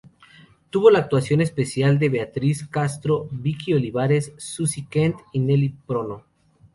Tuvo la actuación especial de Beatriz Castro, Vicky Olivares, Susy Kent y Nelly Prono.